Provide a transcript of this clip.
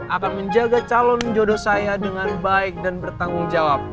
akan menjaga calon jodoh saya dengan baik dan bertanggung jawab